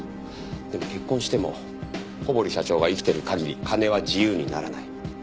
でも結婚しても小堀社長が生きてる限り金は自由にならない。